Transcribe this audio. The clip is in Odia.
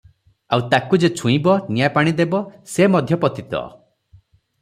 ଆଉ ତାକୁ ଯେ ଛୁଇଁବ, ନିଆଁ ପାଣି ଦେବ, ସେ ମଧ୍ୟ ପତିତ ।